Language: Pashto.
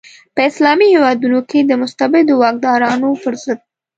په اسلامي هیوادونو کې د مستبدو واکدارانو پر ضد.